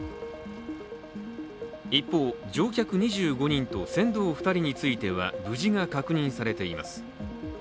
一方、乗客２５人と船頭２人については無事が確認されています。